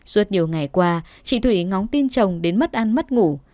suốt nhiều ngày qua chị thủy ngóng tin chồng đến mất ăn mất ngủ